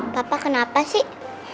papa kenapa sih